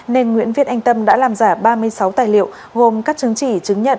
nên nguyễn viết anh tâm đã làm giả ba mươi sáu tài liệu gồm các chứng chỉ chứng nhận